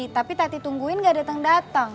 tapi tati tungguin gak dateng dateng